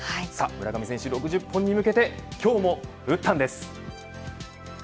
村上選手６０本に向けて今日も打ったんです。